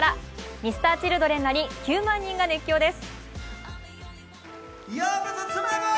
Ｍｒ．Ｃｈｉｌｄｒｅｎに９万人が熱狂です。